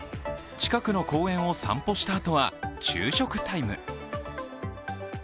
近くの公園を散歩したあとは昼食タイム。